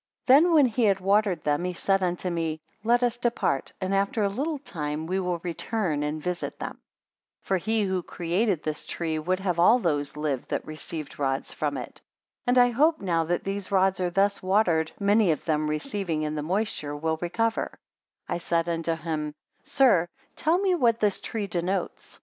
Then when he had watered them, he said unto me; Let us depart, and after a little time we will return and visit them. 21 For he who created this tree, would have all those live that received rods from it. And I hope now that these rods are thus watered, many of them receiving in the moisture, will recover: 22 I said unto him, Sir, tell me what this tree denotes?